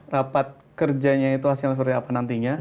rapat kerjanya itu hasilnya seperti apa nantinya